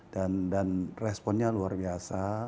dan responnya luar biasa